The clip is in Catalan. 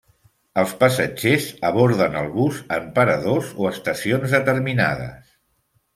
Els passatgers aborden el bus en paradors o estacions determinades.